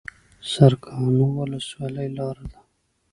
سرکانو ولسوالۍ لاره ده؟